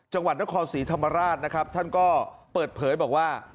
จังหวัดนครศรีธรรมราชนะครับท่านก็เปิดเผยบอกว่า